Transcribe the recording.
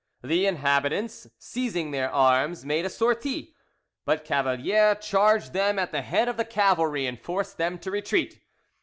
The inhabitants seizing their arms, made a sortie, but Cavalier charged them at the head of the Cavalry and forced them to retreat.